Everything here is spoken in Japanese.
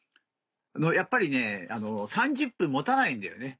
やっぱり３０分持たないんだよね。